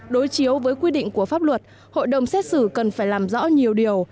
đối chiếu với quy định của pháp luật hội đồng xét xử cần phải làm rõ nhiều điều